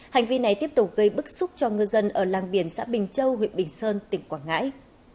hành vi này tiếp tục gây bức xúc cho ngư dân ở làng biển xã bình châu huyện bình sơn tỉnh quảng ngãi